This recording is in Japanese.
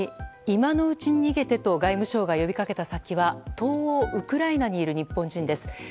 次に、今のうちに逃げてと外務省が呼びかけた先は東欧ウクライナにいる日本人です。